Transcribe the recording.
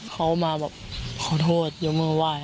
เขามาขอโทษย้มมือว่าย